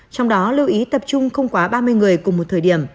trong đó lưu ý tập trung không quá ba mươi người cùng một thời điểm